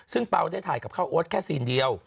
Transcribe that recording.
ซึ่งเปล่าได้ถ่ายกับข้าวโอ๊ตแค่ซีนเดียว